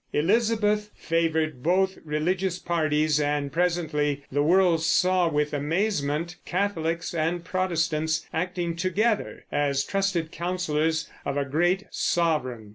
Elizabeth favored both religious parties, and presently the world saw with amazement Catholics and Protestants acting together as trusted counselors of a great sovereign.